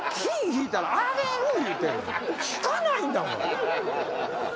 引かないんだもん。